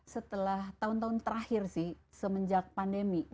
setelah tahun tahun terakhir sih semenjak pandemi